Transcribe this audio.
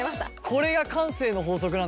これが慣性の法則なんですね。